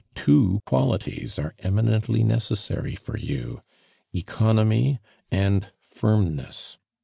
Two finalities are eminently necessary for you, economy and firmness.